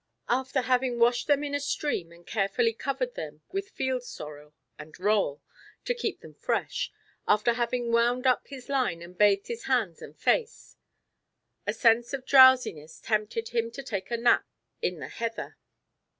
After having washed his in a stream and carefully covered them with field sorrel and rowell, to keep them fresh; after having wound up his line and bathed his hands and face; a sense of drowsiness tempted him to take a nap in the heather.